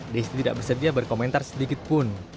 di istri tidak bersedia berkomentar sedikit pun